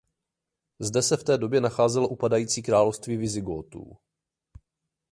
Zde se v té době nacházelo upadající království Vizigótů.